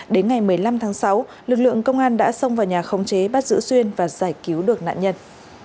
đến ngày một mươi năm tháng sáu lực lượng công an đã xông vào nhà khống chế bắt giữ xuyên và giải cứu được nạn nhân